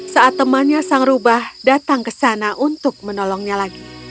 saat temannya sang rubah datang ke sana untuk menolongnya lagi